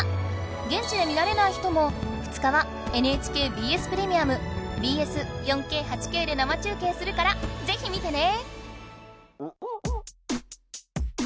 現地で見られない人も２日はＮＨＫＢＳプレミアムＢＳ４Ｋ８Ｋで生中継するからぜひ見てね！